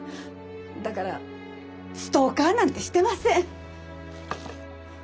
だからストーカーなんてしてません。